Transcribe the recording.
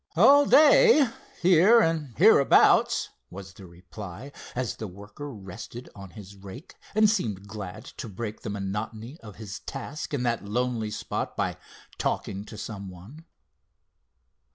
"All day, here and hereabouts," was the reply, as the worker rested on his rake and seemed glad to break the monotony of his task in that lonely spot by talking to some one.